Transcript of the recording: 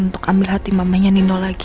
untuk ambil hati mamanya nino lagi